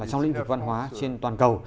trong lĩnh vực văn hóa trên toàn cầu